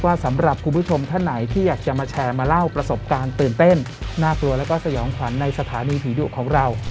สำหรับคุณผู้ชมท่านไหนที่อยากจะมาแชร์มาเล่าประสบการณ์ตื่นเต้นน่ากลัวแล้วก็สยองขวัญในสถานีผีดุของเรา